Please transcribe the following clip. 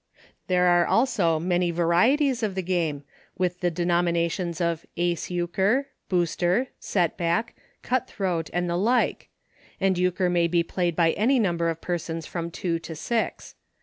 There are, also, many varieties of the game, with the denominations of Ace Euchre, Booster, Set Back, Cut Throat, and the like, and Euchre may be played by any number of persons, from two to six.